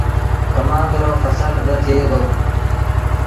ڪمآݩد رو ڦسل با ٿئي دو۔